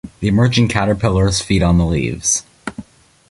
The emerging caterpillars feed on the leaves.